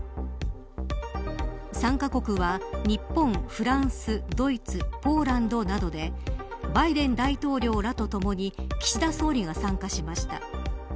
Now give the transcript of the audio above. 参加国は日本、フランス、ドイツポーランドなどでバイデン大統領らとともに岸田総理が参加しました。